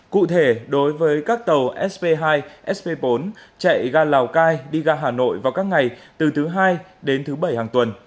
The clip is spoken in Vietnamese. cụ thể đối với các tàu sp hai sp bốn chạy ga lào cai đi ga hà nội vào các ngày từ thứ hai đến thứ bảy hàng tuần